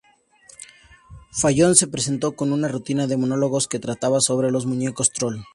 Fallon se presentó con una rutina de monólogos que trataba sobre los muñecos troll.